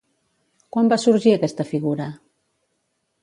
Quan va sorgir aquesta figura?